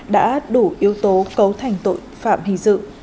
đã đủ yếu tố cấu thành tội phạm hình sự